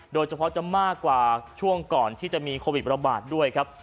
โดยเฉพาะจะมากกว่าช่วงก่อนที่จะมีโควิดระบาดด้วยครับ